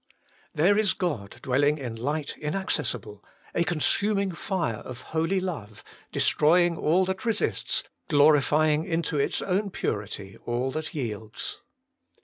There is God dwelling in light inaccessible, a consuming fire of Holy Love, destroy ing all that resists, glorifying into its own purity all that yields.